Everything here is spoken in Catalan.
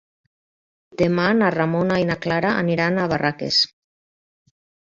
Demà na Ramona i na Clara aniran a Barraques.